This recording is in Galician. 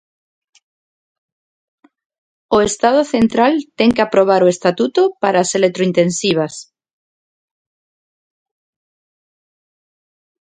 O estado central ten que aprobar o estatuto para as electrointensivas.